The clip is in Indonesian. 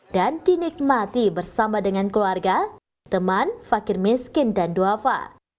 dan dinikmati bersama dengan keluarga teman fakir miskin dan duafa